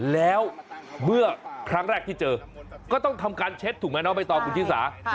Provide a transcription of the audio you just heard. แล้วเมื่อครั้งแรกที่เจอก็ต้องทำการเช็ดถูกไหมไปต่อคุณชิคกี้พาย